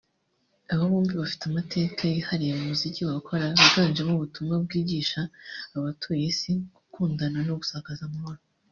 Aba bombi bafite amateka yihariye mu muziki bakora wiganjemo ubutumwa bwigisha abatuye Isi gukundana no gusakaza amahoro